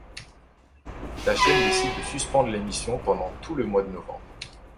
La chaîne décide de suspendre l'émission pendant tout le mois de novembre.